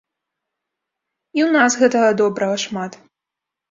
І ў нас гэтага добрага шмат.